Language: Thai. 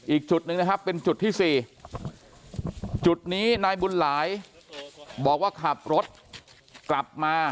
อีกจุดหนึ่งนะครับเป็นจุดที่๔จุดนี้นายบุญหลายบอกว่าขับรถกลับมา